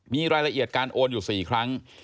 มีรายละเอียดการโอนอยู่๔ครั้ง